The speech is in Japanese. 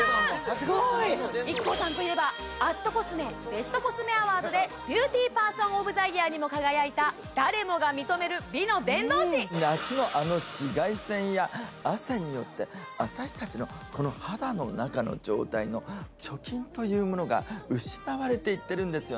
すごい！ＩＫＫＯさんといえば＠ｃｏｓｍｅベストコスメアワードでＢＥＡＵＴＹＰＥＲＳＯＮＯＦＴＨＥＹＥＡＲにも輝いた誰もが認める美の伝道師夏のあの紫外線や汗によって私たちのこの肌の中の状態の貯金というものが失われていってるんですよね